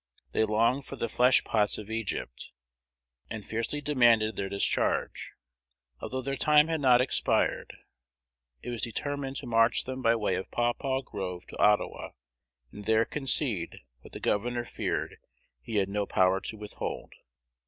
They longed "for the flesh pots of Egypt," and fiercely demanded their discharge. Although their time had not expired, it was determined to march them by way of Paw Paw Grove to Ottawa, and there concede what the governor feared he had no power to withhold.